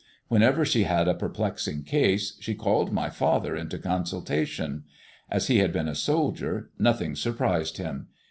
Whenever she had a perplexing case, she called my father into consultation. As he had been a soldier, nothing surprised him.